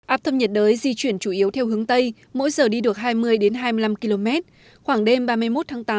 áp thấp nhiệt đới di chuyển chủ yếu theo hướng tây mỗi giờ đi được hai mươi hai mươi năm km khoảng đêm ba mươi một tháng tám